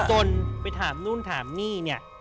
จนไปถามนู่นถามนี่เนี่ย